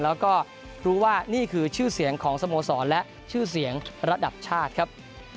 แล้วก็รู้ว่านี่คือชื่อเสียงของสโมสรและชื่อเสียงระดับชาติครับ